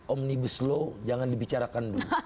omnibus law jangan dibicarakan dulu